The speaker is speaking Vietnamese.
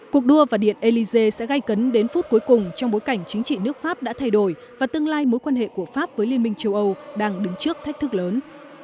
cuộc đua và điện élysé sẽ gây cấn đến phút cuối cùng trong bối cảnh chính trị nước pháp đã thay đổi và tương lai mối quan hệ của pháp với liên minh châu âu đang đứng trước thách thức lớn